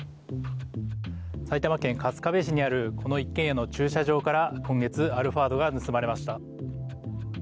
埼玉県春日部市にあるこの一軒家の駐車場から今月アルファードが盗まれました。